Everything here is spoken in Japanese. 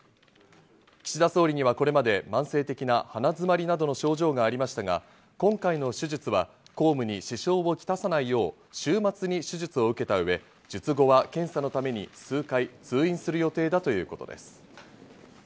岸田総理には、これまで慢性的な鼻づまりなどの症状がありましたが、今回の手術は公務に支障をきたさないよう週末に手術を受けた上、術後は検査のために数回通院する予定だということです。